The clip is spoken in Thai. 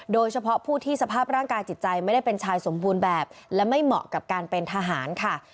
โดยเฉพาะผู้ที่สภาพร่างกายจิตใจไม่ได้เป็นชายสมบูรณ์แบบและไม่เหมาะกับการเป็นทหารค่ะ